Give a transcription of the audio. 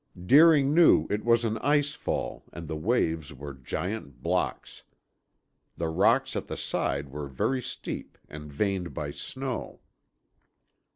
Deering knew it was an ice fall and the waves were giant blocks. The rocks at the side were very steep and veined by snow.